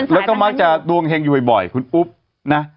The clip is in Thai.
แล้วก็มักจะดวงเฮงอยู่บ่อยคุณอุ๊บนะ